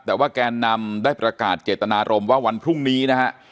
แต่ว่าแกนนำได้ประกาศเจตนารมณ์ว่าวันพรุ่งนี้นะฮะ